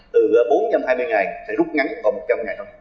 từ bốn trăm hai mươi ngày sẽ rút ngắn vào một trăm linh ngày thôi